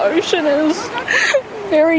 dan bagi saya ini seperti